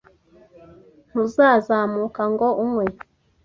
Ntuzazamuka ngo unywe?